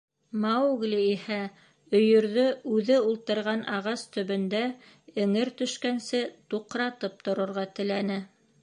Маугли иһә өйөрҙө үҙе ултырған ағас төбөндә эңер төшкәнсе туҡратып торорға теләне.